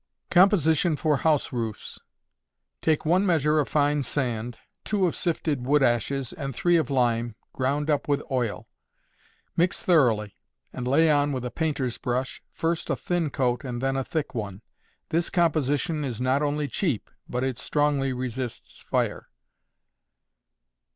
Composition for House Roofs. Take one measure of fine sand, two of sifted wood ashes, and three of lime, ground up with oil. Mix thoroughly, and lay on with a painter's brush, first a thin coat and then a thick one. This composition is not only cheap, but it strongly resists fire.